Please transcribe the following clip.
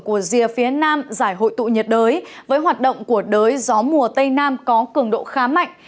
của rìa phía nam giải hội tụ nhiệt đới với hoạt động của đới gió mùa tây nam có cường độ khá mạnh